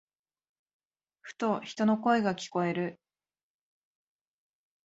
ふと、人の声が聞こえる。